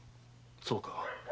そうか。